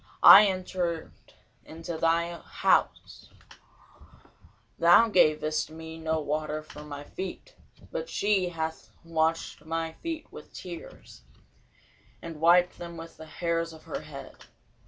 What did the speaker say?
I entered into thine house, thou gavest me no water for my feet: but she hath washed my feet with tears, and wiped them with the hairs of her head.